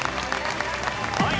はい。